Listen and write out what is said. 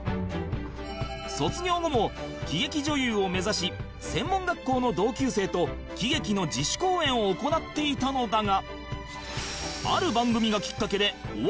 卒業後も喜劇女優を目指し専門学校の同級生と喜劇の自主公演を行っていたのだが